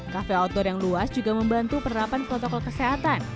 kafe outdoor yang luas juga membantu penerapan protokol kesehatan